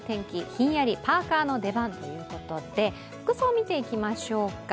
ヒンヤリ、パーカーの出番ということで、服装を見ていきましょうか。